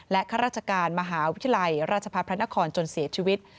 ข้าราชการมหาวิทยาลัยราชพัฒนพระนครจนเสียชีวิต